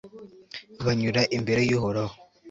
banyura imbere y'uhoraho